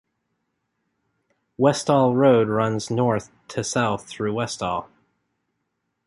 Westall Road runs north to south through Westall.